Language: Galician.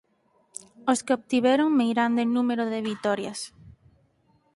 Os que obtiveron meirande número de vitorias.